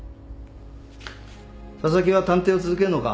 紗崎は探偵を続けるのか？